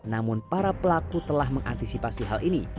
namun para pelaku telah mengantisipasi hal ini